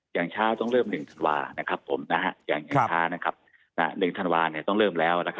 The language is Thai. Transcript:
อย่างช้าต้องเริ่ม๑ธันวาต้องเริ่มแล้ว